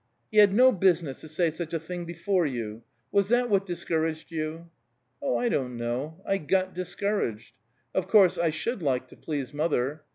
"He had no business to say such a thing before you. Was that what discouraged you?" "Oh, I don't know. I got discouraged. Of course, I should like to please mother.